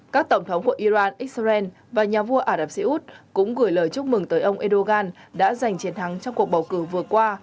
các tổng thống của iran israel và nhà vua ả rập xê út cũng gửi lời chúc mừng tới ông erdogan đã giành chiến thắng trong cuộc bầu cử vừa qua